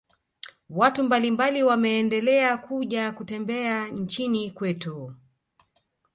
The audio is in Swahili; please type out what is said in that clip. watu mbalimbali wameendela kuja kutembea nchini kwetu